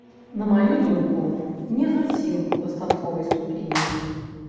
На маю думку, не зусім у дастатковай ступені.